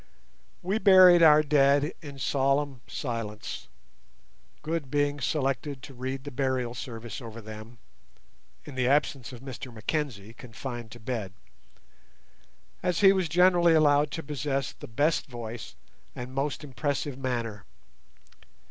We buried our dead in solemn silence, Good being selected to read the Burial Service over them (in the absence of Mr Mackenzie, confined to bed), as he was generally allowed to possess the best voice and most impressive manner.